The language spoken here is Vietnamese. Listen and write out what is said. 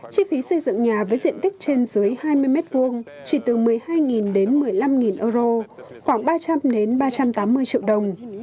chi phí xây dựng nhà với diện tích trên dưới hai mươi m hai chỉ từ một mươi hai đến một mươi năm euro khoảng ba trăm linh ba trăm tám mươi triệu đồng